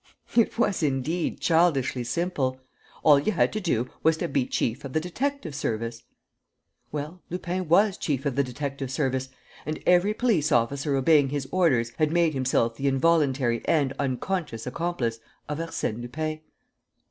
It was, indeed, childishly simple: all you had to do was to be chief of the detective service. Well, Lupin was chief of the detective service; and every police officer obeying his orders had made himself the involuntary and unconscious accomplice of Arsène Lupin.